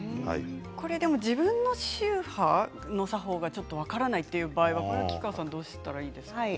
これ自分の宗派の作法がちょっと分からない場合は吉川さんどうしたらいいんですか。